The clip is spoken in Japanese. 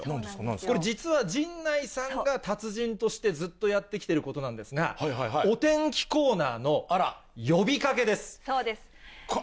これ実は、陣内さんが達人として、ずっとやってきてることなんですが、お天気コーナーの呼びそうです。